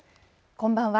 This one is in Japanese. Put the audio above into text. こんばんは。